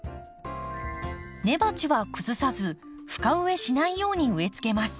根鉢は崩さず深植えしないように植えつけます。